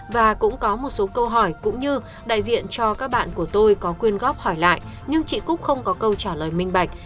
và cũng có một số câu hỏi cũng như đại diện cho các bạn của tôi có quyên góp hỏi lại nhưng chị cúc không có câu trả lời minh bạch